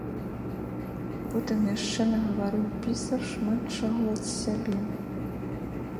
Потым яшчэ нагаварыў пісар шмат чаго ад сябе.